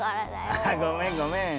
あっごめんごめん。